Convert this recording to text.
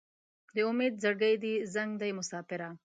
د امید زړګی دې زنګ دی مساپره